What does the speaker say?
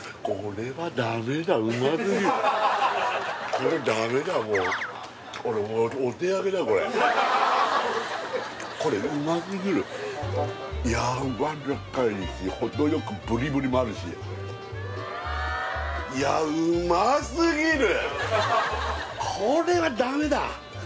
これダメだもう俺もうやわらかいしほどよくブリブリもあるしいやうますぎる！